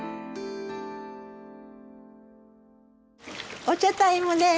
お茶タイムです！